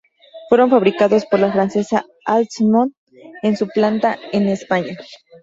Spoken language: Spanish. Fueron fabricados por la francesa Alstom en su planta en España.